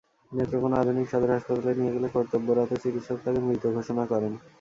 নেত্রকোনা আধুনিক সদর হাসপাতালে নিয়ে গেলে কর্তব্যরত চিকিৎসক তাঁকে মৃত ঘোষণা করেন।